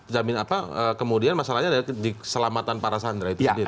tapi kemudian masalahnya di selamatan para sandera itu sendiri